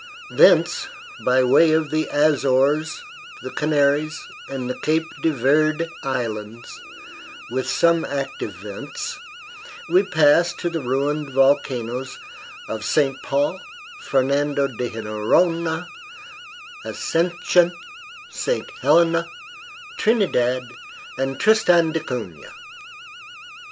Thence, by way of the Azores, the Canaries and the Cape de Verde Islands, with some active vents, we pass to the ruined volcanoes of St. Paul, Fernando de Noronha, Ascension, St. Helena, Trinidad and Tristan da Cunha.